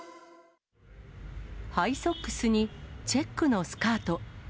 ハイソックスにチェックのスカート。